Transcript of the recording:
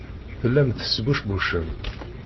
Tellam tesbucbucem.